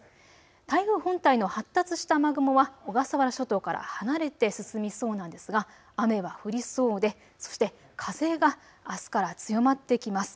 台風本体の発達した雨雲は小笠原諸島から離れて進みそうなんですが雨は降りそうで、そして風があすから強まってきます。